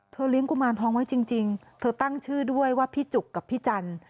เลี้ยงกุมารทองไว้จริงเธอตั้งชื่อด้วยว่าพี่จุกกับพี่จันทร์